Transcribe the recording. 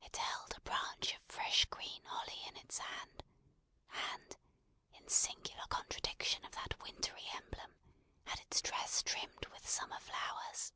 It held a branch of fresh green holly in its hand; and, in singular contradiction of that wintry emblem, had its dress trimmed with summer flowers.